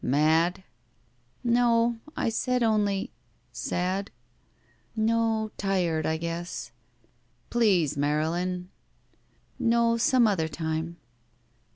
"Mad?" "No. I said only— " "Sad?" "No— tired— I guess." "Please, Marylin." "No. Some other time."